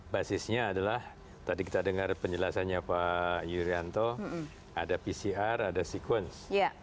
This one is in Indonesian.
basisnya adalah tadi kita dengar penjelasannya pak yuryanto ada pcr ada sekuens